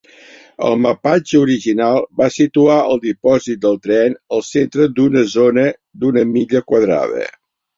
El mapatge original va situar el dipòsit del tren al centre d'una zona d'una milla quadrada.